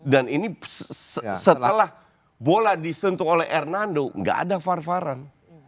dan ini setelah bola disentuh oleh hernando enggak ada far faran